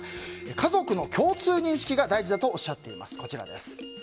家族の共通認識が大事だとおっしゃいます。